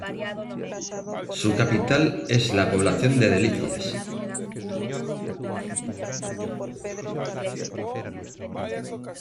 Su capital es la población de Delicias.